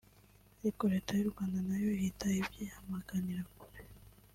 ariko Leta y’ u Rwanda na yo ihita ibyamaganira kure